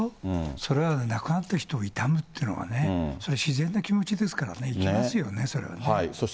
それは亡くなった人をいたむっていうのは、それは自然な気持ちですからね、行きますよね、それはね。